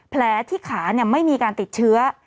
แผลที่ขาไม่มีการติดเชื้อ